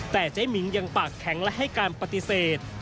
แต่เจ๊มิ้งยังปากแข็งและให้การปฏิเสธ